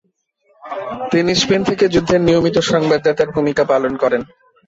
তিনি স্পেন থেকে যুদ্ধের নিয়মিত সংবাদদাতার ভূমিকা পালন করেন।